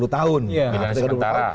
dua puluh tahun ya sementara